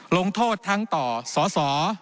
ลงโทษทั้งต่อสตแศษ